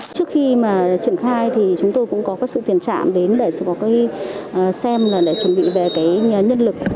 trước khi triển khai thì chúng tôi cũng có sự tiền trạm để xem chuẩn bị về nhân lực